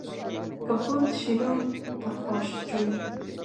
که بودند شیران پرخاشجوی